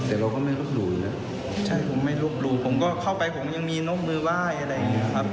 แต่เราก็ไม่ลบหลู่นะใช่ผมไม่ลบหลู่ผมก็เข้าไปผมยังมีนกมือไหว้อะไรอย่างนี้ครับ